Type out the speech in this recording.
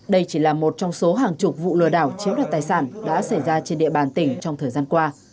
đây chỉ là một trong số hàng chục vụ lừa đảo chiếm đoạt tài sản đã xảy ra trên địa bàn tỉnh trong thời gian qua